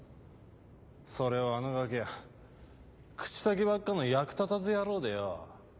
それをあのガキゃ口先ばっかの役立たず野郎でよ。